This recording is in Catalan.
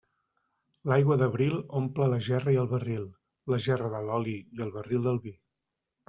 L'aigua d'abril omple la gerra i el barril; la gerra de l'oli i el barril del vi.